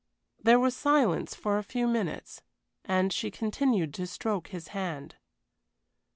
There was silence for a few minutes, and she continued to stroke his hand.